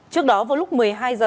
trước đó vào lúc một mươi hai h